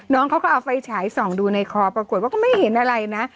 น้องเขาก็เอาไฟฉายส่องดูในคอปรากฏว่าก็ไม่เห็นอะไรนะ